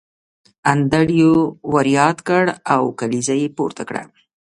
انډریو ور یاد کړ او کلیزه یې پورته کړه